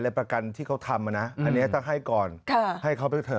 ประกันที่เขาทำนะอันนี้ต้องให้ก่อนให้เขาไปเถ